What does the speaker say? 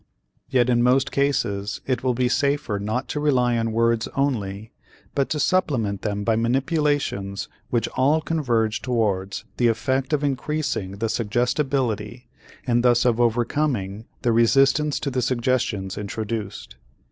Yet in most cases, it will be safer not to rely on words only but to supplement them by manipulations which all converge towards the effect of increasing the suggestibility and thus of overcoming the resistance to the suggestions introduced.